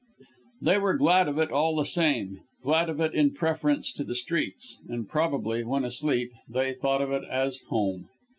They were glad of it all the same glad of it in preference to the streets; and probably, when asleep, they thought of it as home.